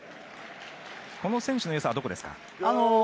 この選手のよさはどこですか？